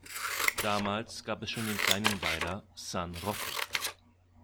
Damals gab es schon den kleinen Weiler "San Rocco".